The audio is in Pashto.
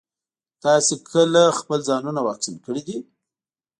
تاسو کله خپل ځانونه واکسين کړي دي؟